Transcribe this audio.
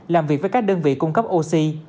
làm việc với các đơn vị cung cấp oxy